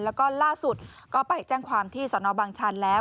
แล้วก็ล่าสุดก็ไปแจ้งความที่สนบางชันแล้ว